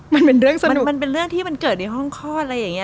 มันเป็นเรื่องมันเป็นเรื่องที่มันเกิดในห้องคลอดอะไรอย่างนี้